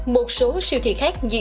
một số siêu thị khác như